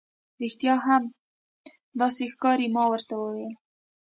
رښتیا هم، داسې ښکاري. ما ورته وویل.